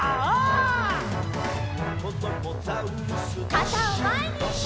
かたをまえに！